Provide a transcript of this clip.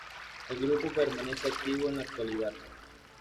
El grupo permanece activo en la actualidad.